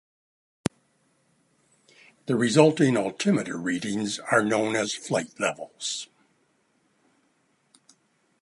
The resulting altimeter readings are known as flight levels.